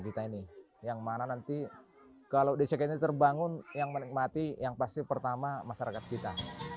kita ini yang mana nanti kalau desa kita ini terbangun yang menikmati yang pasti pertama masyarakat kita